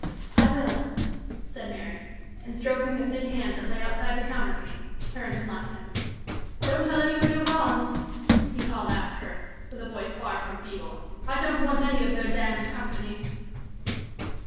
"I will," said Mary, and, stroking the thin hand that lay outside the counterpane, turned and left him. "Don't tell any one you are gone," he called after her, with a voice far from feeble. "I don't want any of their damned company."